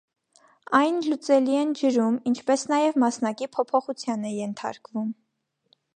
Այն լուծելի են ջրում, ինչպես նաև մասնակի փոփոխության է ենթարկվում։